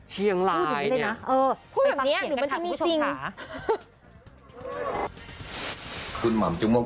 เฮ้ยพูดอยู่ด้วยนะ